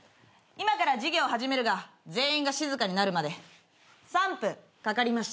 今から授業を始めるが全員が静かになるまで３分かかりました。